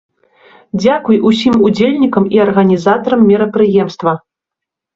Дзякуй усім удзельнікам і арганізатарам мерапрыемства!